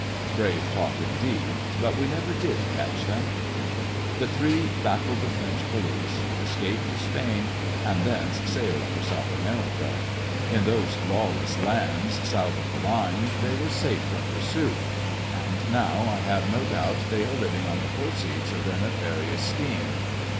Brave talk, indeed : but we never did catch them. The three baffled the French police, escaped to Spain, and'thence sailed foi* South America. In those lawless lands south of MY COUSIN FBOU FRANCE 38P the Line they were Eafe from porsuit, and now, I hare no doubt, they are living on the proceede of their nefariouB Bcheme.